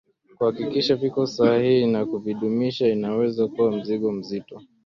kuhakikisha viko sahihi na kuvidumisha inaweza kuwa mzigo mzito